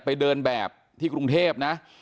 ไปเดินแบบที่กรุงเทพนะ